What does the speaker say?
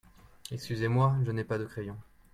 Excusez-moi, je n'ai pas de crayon.